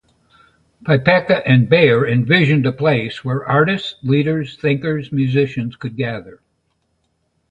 Paepcke and Bayer envisioned a place where artists, leaders, thinkers, musicians could gather.